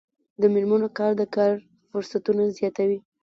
د میرمنو کار د کار فرصتونه زیاتوي.